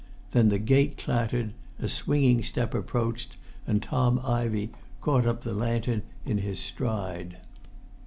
Then the gate clattered, a swinging step approached, and Tom Ivey caught up the lantern in his stride.